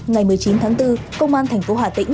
ngày một mươi chín tháng bốn công an tp hà tĩnh